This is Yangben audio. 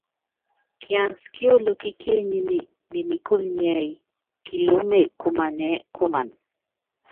Kiansi ki olokí kíényími ne nikúlu nḭ́ɛ́yí, Kiluúme kumanɛɛ́ kuman.